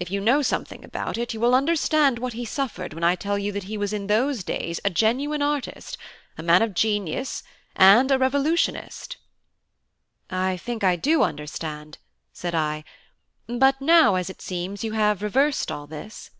If you know something about it, you will understand what he suffered when I tell you that he was in those days a genuine artist, a man of genius, and a revolutionist." "I think I do understand," said I: "but now, as it seems, you have reversed all this?"